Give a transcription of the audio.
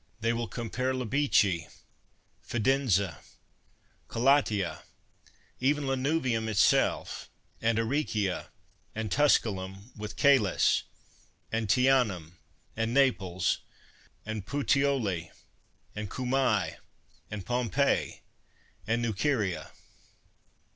They will compare Labici, Fidense, CoUatia, — even Lanuvium itself, and Aricia, and Tusculum, with Cales, and Teanum, and Naples, and Puteoli, and Cumae, and Pom peii, and Nuceria.